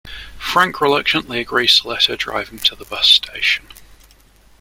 Frank reluctantly agrees to let her drive him to the bus station.